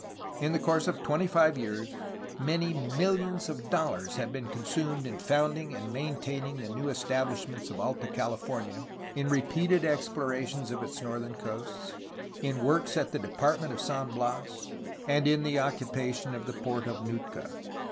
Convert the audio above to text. In the course of twenty five years many mfilions of dollars have been consumed in founding and maintaining the new establishments of Alta California, in repeated explorations of its northern coasts, in [works at] the Department of San Bias, and in the occupation of the port of Nootka.